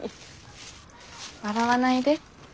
笑わないで。